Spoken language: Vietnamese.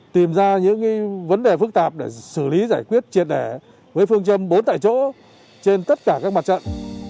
tìm ra những vấn đề phức tạp để xử lý giải quyết triệt đẻ với phương châm bốn tại chỗ trên tất cả các mặt trận